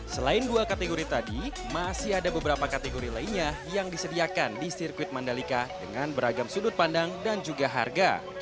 selain dua kategori tadi masih ada beberapa kategori lainnya yang disediakan di sirkuit mandalika dengan beragam sudut pandang dan juga harga